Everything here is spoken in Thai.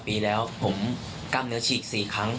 ปีแล้วผมกล้ามเนื้อฉีก๔ครั้ง